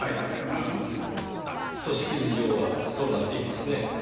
組織図上はそうなっていますねぇ。